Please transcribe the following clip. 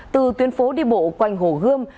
từ tuyến phố đi bộ quanh hồ gươm